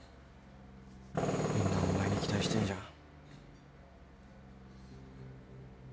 みんなお前に期待してんじゃん。